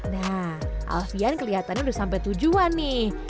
nah alfian kelihatannya udah sampai tujuan nih